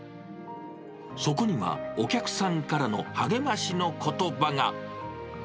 そこには、お客さんからの励ましのことばが。